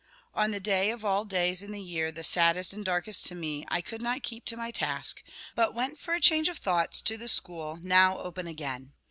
On the day of all days in the year the saddest and darkest to me, I could not keep to my task, but went for a change of thoughts to the school, now open again.